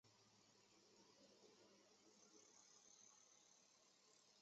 而钏网线及网走本线亦正式编入网走本线。